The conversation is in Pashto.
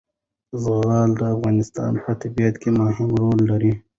زغال د افغانستان په طبیعت کې مهم رول لري.